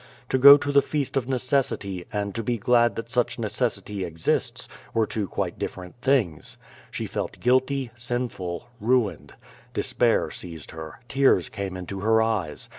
To go to the feast of necessity, and to be glad that such necessity exists, were two quite different things. She felt guilty, sinful, ruined. Despair seized her, tears came into her eyes.